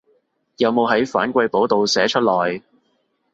有冇喺反饋簿度寫出來